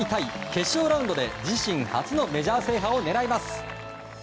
決勝ラウンドで自身初のメジャー制覇を狙います。